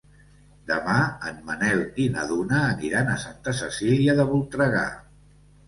Demà en Manel i na Duna aniran a Santa Cecília de Voltregà.